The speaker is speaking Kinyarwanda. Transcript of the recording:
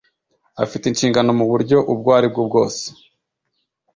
afite inshingano mu buryo ubwo aribwo bwose